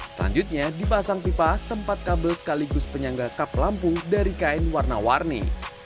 selanjutnya dipasang pipa tempat kabel sekaligus penyangga kap lampu dari kain warna warni